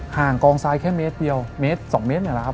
ห่างกองทรายแค่เมตรเดียว๒เมตรหน่อยแล้วครับ